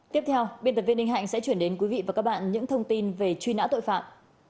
tiếp theo biên tập viên ninh hạnh sẽ chuyển đến quý vị và các bạn những thông tin về truy nã tội phạm